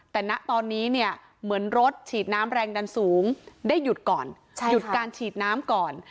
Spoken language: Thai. แต่ณตอนนี้เนี่ยเหมือนรถฉีดน้ำแรงดันสูงได้หยุดก่อนหยุดการฉีดน้ำก่อน